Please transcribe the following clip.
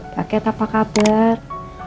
paket apa kabar